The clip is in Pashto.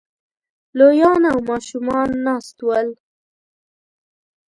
لويان او ماشومان ناست ول